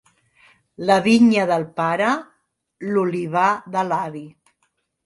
La vinya del pare, l'olivar de l'avi.